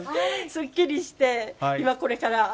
すっきりして、今、これから。